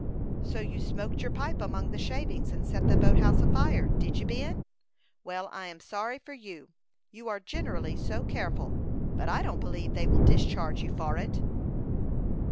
"So you smoked your pipe among the shavings, and set the boat house afire did you, Ben? Well, I am sorry for you, you are generally so careful; but I don't believe they will discharge you for it."